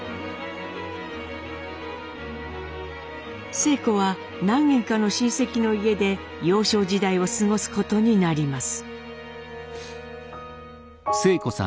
晴子は何軒かの親戚の家で幼少時代を過ごすことになります。